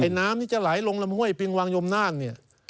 น้ำที่จะไหลลงลำห้วยปิงวังยมนานเนี่ย